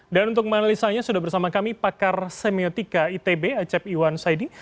dan untuk menelisanya sudah bersama kami pakar semiotika itb acep iwan saidin